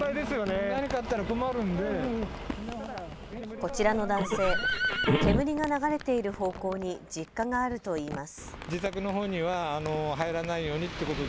こちらの男性、煙が流れている方向に実家があるといいます。